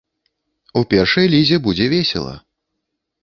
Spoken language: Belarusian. У першай лізе будзе весела.